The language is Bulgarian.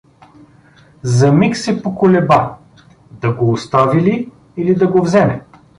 За миг се поколеба — да го остави ли, или да го вземе.